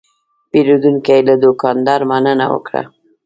پیرودونکی له دوکاندار مننه وکړه.